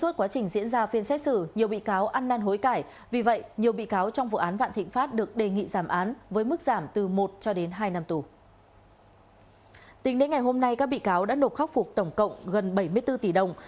tính đến ngày hôm nay các bị cáo đã nộp khắc phục tổng cộng gần bảy mươi bốn tỷ đồng